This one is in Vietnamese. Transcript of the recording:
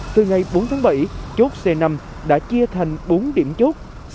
từ ngày bốn tháng bảy chốt c năm đã chia thành bốn điểm chốt